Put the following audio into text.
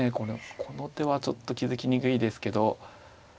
この手はちょっと気付きにくいですけど。